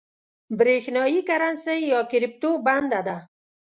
برېښنايي کرنسۍ یا کريپټو بنده ده